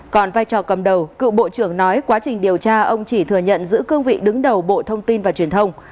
còn vai trò cầm đầu cựu bộ trưởng nói quá trình điều tra ông chỉ thừa nhận giữ cương vị đứng đầu bộ thông tin và truyền thông